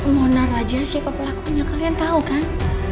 mona raja siapa pelakunya kalian tau kan